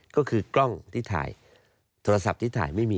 ก็คือกล้องที่ถ่ายโทรศัพท์ที่ถ่ายไม่มี